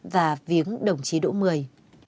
và viếng đồng chí đỗ mười